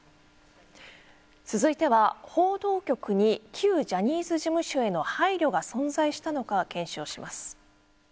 続いては、報道局に旧ジャニーズ事務所への配慮が存在したのか検証します。